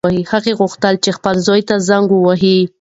هغه غوښتل چې خپل زوی ته زنګ ووهي.